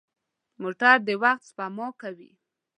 موټر د وخت سپما کوي.